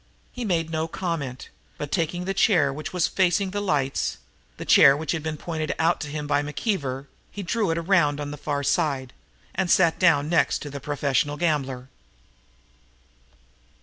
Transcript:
He made no comment, but, taking the chair which was facing the lights, the chair which had been pointed out to him by McKeever, he drew it around on the far side and sat down next to the professional gambler.